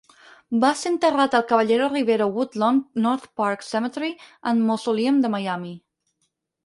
Va ser enterrat al Caballero Rivero Woodlawn North Park Cemetery and Mausoleum de Miami.